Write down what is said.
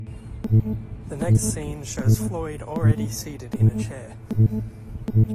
The next scene shows Floyd already seated in a chair.